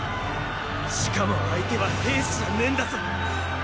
しかも相手は兵士じゃねェんだぞ！